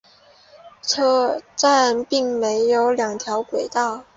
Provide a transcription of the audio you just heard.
车站并设有两条轨道。